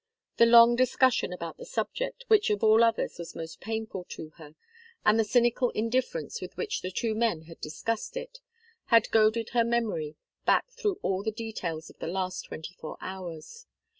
The long discussion about the subject which of all others was most painful to her, and the cynical indifference with which the two men had discussed it, had goaded her memory back through all the details of the last twenty four hours.